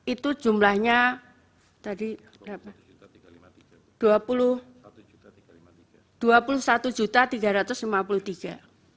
itu jumlahnya tadi berapa